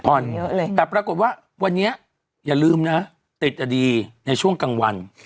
เยอะเลยแต่ปรากฏว่าวันนี้อย่าลืมนะติดอดีในช่วงกลางวัน